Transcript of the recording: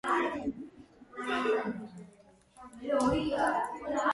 ზღვის ფსკერის ცხოველებია.